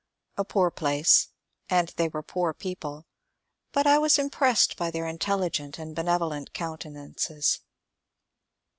A poor place, and they were poor people ; but I was impressed by their intelligent and benevolent countenances.